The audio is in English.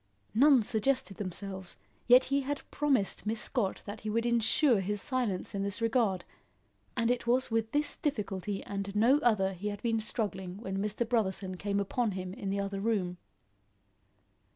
None suggested themselves, yet he had promised Miss Scott that he would ensure his silence in this regard, and it was with this difficulty and no other he had been struggling when Mr. Brotherson came upon him in the other room.